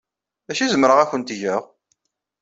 D acu ay zemreɣ ad awent-t-geɣ?